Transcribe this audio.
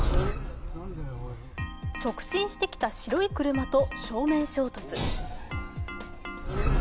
直進してきた白い車と正面衝突。